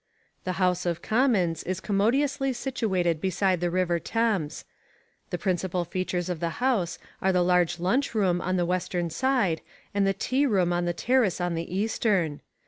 The House of Commons is commodiously situated beside the River Thames. The principal features of the House are the large lunch room on the western side and the tea room on the terrace on the eastern.